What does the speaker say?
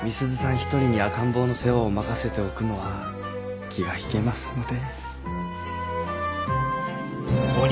一人に赤ん坊の世話を任せておくのは気が引けますので。